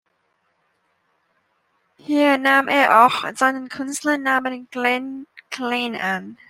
Hier nahm er auch seinen Künstlernamen Glen Glenn an.